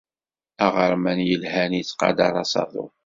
Aɣerman yelhan yettqadar asaḍuf.